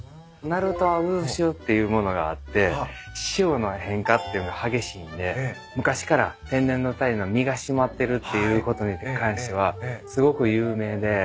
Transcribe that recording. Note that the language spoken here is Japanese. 鳴門は渦潮っていうものがあって潮の変化っていうのが激しいんで昔から天然のタイの身が締まってるっていうことに関してはすごく有名で。